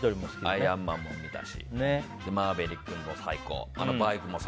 「アイアンマン」も見たし「マーヴェリック」も最高。